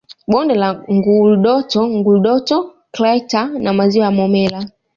Bonde la Ngurdoto Ngurdoto Crater na maziwa ya Momella